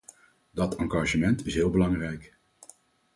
Dat engagement is heel belangrijk.